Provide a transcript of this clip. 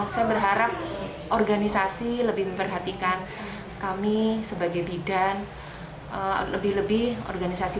saya berharap organisasi lebih memperhatikan kami sebagai bidan lebih lebih organisasi